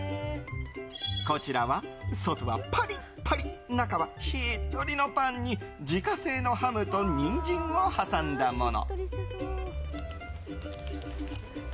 こちらは外はパリッパリ中はしっとりのパンに自家製のハムとニンジンを挟んだもの。